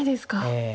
ええ。